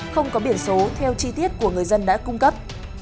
không có biển số theo chi tiết của người dân đã cung cấp